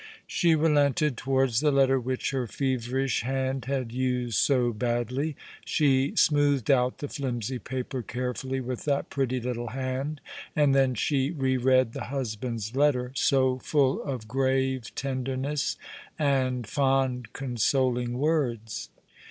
She relented towards the letter which her feverish hand had used so badly. She smoothed out the flimsy paper carefully with that pretty little hand, and then she re read the husband's letter, so full of grave tenderness and fond, consoling words.